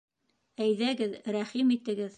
Әйҙәгеҙ, рәхим итегеҙ.